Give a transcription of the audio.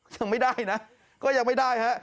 ยังไม่ได้นะก็ยังไม่ได้ฮะ